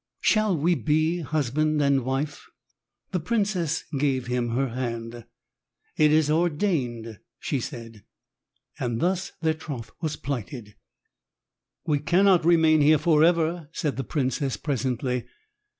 Shall we be husband and wife?" The princess gave him her hand. "It is ordained," she said, and thus their troth was plighted. "We cannot remain here forever," said the princess, presently.